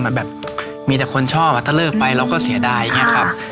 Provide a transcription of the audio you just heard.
มันแบบมีแต่คนชอบถ้าเลิกไปเราก็เสียดายอย่างนี้ครับ